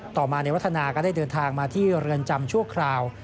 ต่อมาในวัฒนาก็ได้เดินทางมาที่เรือนจำชั่วคราว